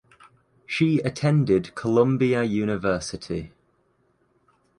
She attended Columbia University.